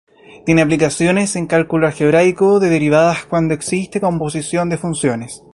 Tiene aplicaciones en el cálculo algebraico de derivadas cuando existe composición de funciones.